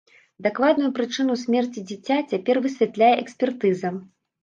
Дакладную прычыну смерці дзіця цяпер высвятляе экспертыза.